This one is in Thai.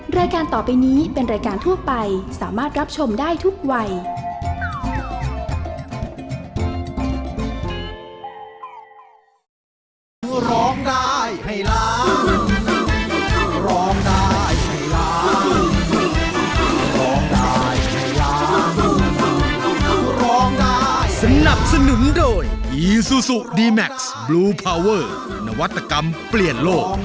รายการต่อไปนี้เป็นรายการทั่วไปสามารถรับชมได้ทุกวัย